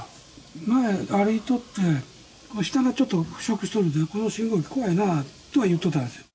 前歩いとって、下がちょっと腐食しとるないうて、この信号機怖いなとはいっとったんですよ。